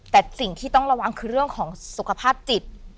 แต่สิ่งที่ต้องระวังคือเรื่องของสุขภาพจิต